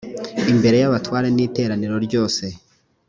imbere y abatware n iteraniro ryose